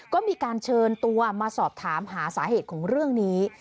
ก็มีการเชิญตัวมาสอบถามหาสาเหตุของเรื่องนี้